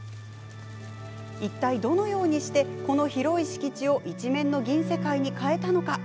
いったい、どのようにしてこの広い敷地を一面の銀世界に変えたのか。